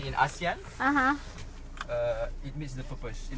ในอาเซียนมีความสำคัญของคุณ